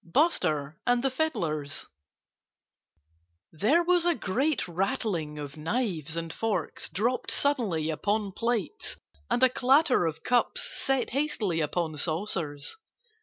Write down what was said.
XX BUSTER AND THE FIDDLERS There was a great rattling of knives and forks dropped suddenly upon plates and a clatter of cups set hastily upon saucers.